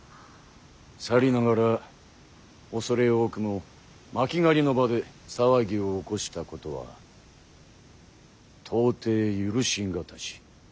さりながら恐れ多くも巻狩りの場で騒ぎを起こしたことは到底許し難し。